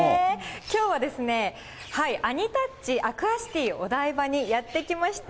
きょうはアニタッチアクアシティお台場にやって来ました。